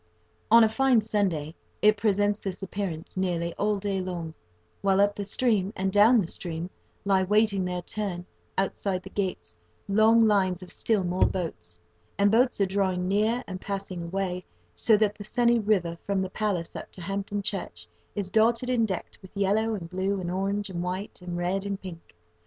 On a fine Sunday it presents this appearance nearly all day long, while, up the stream, and down the stream, lie, waiting their turn, outside the gates, long lines of still more boats; and boats are drawing near and passing away, so that the sunny river, from the Palace up to Hampton Church, is dotted and decked with yellow, and blue, and orange, and white, and red, and pink.